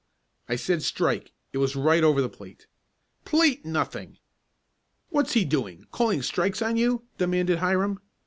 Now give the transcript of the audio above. "I said strike. It was right over the plate." "Plate nothing!" "What's he doing, calling strikes on you?" demanded Hiram.